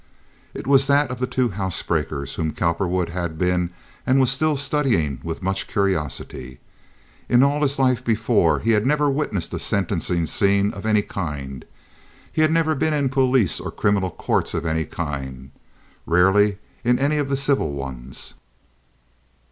It was that of the two housebreakers whom Cowperwood had been and was still studying with much curiosity. In all his life before he had never witnessed a sentencing scene of any kind. He had never been in police or criminal courts of any kind—rarely in any of the civil ones.